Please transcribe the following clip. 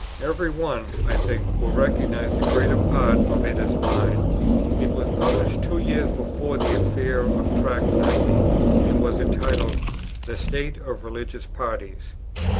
Every one, I think, will recognize the greater part of it as mine. It was published two years before the affair of Tract 90, and was entitled "The State of Religious Parties."